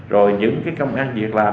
rồi những cái công an việc làm